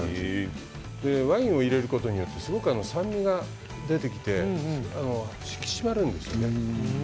ワインを入れることによって酸味が出てきて引き締まるんですよね。